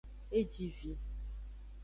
E ji vi.